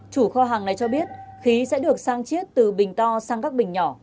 chủ kho hàng này cho biết khí sẽ được sang chiết từ bình to sang các bình nhỏ